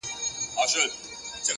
o د آتشي غرو د سکروټو د لاوا لوري ـ